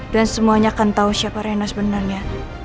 dan semuanya akan tau siapa renas benarnya